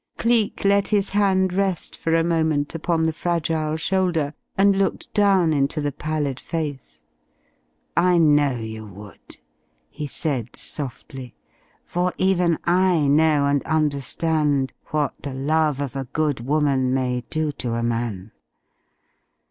Cleek let his hand rest for a moment upon the fragile shoulder, and looked down into the pallid face. "I know you would," he said softly, "for even I know and understand what the love of a good woman may do to a man.